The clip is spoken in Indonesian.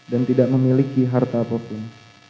dan tidak memiliki harta apapun